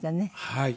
はい。